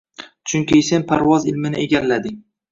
Chunki Sen parvoz ilmini egallading.